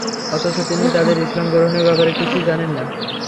অথচ তিনি তাদের ইসলাম গ্রহণের ব্যাপারে কিছুই জানেন না।